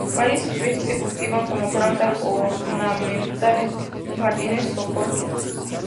Varias especies se cultivan como planta ornamentales en jardines rocosos.